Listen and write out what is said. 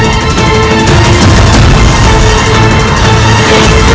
aku akan memberikan diri